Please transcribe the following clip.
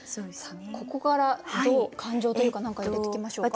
ここからどう感情というか何か入れていきましょうか。